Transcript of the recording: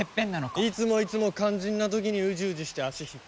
いつもいつも肝心な時にウジウジして足引っ張りやがる。